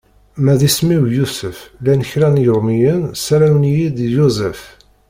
Ma d isem-iw Yusef llan kra n Yirumyen sawalen-iyi-d Joseph.